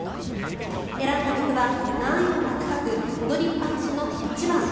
選んだ曲は難易度が高く踊りっぱなしの「ｉｃｈｉｂａｎ」。